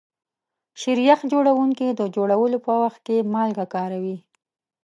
شیریخ جوړونکي د جوړولو په وخت کې مالګه کاروي.